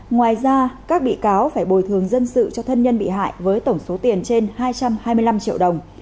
ngoài ra các bị cáo phải bồi thường dân sự cho thân nhân bị hại với tổng số tiền trên hai trăm hai mươi năm triệu đồng